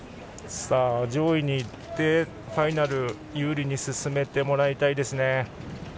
上位にいってファイナル有利に進めてもらいたいですね。